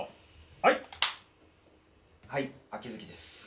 はい秋月です。